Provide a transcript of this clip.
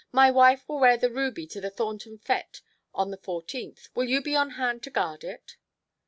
"My wife will wear the ruby to the Thornton fête on the fourteenth. Will you be on hand to guard it?"